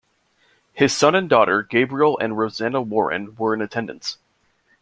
His son and daughter, Gabriel and Rosanna Warren, were in attendance.